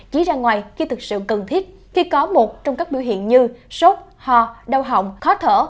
chỉ ra ngoài khi thực sự cần thiết khi có một trong các biểu hiện như sốt hò đau hỏng khó thở